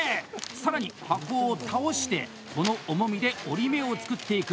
更に箱を倒して、この重みで折り目を作っていく！